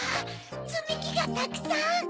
つみきがたくさん！